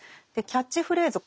キャッチフレーズ